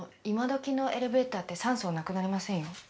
今どきのエレベーターって酸素なくなりませんよ。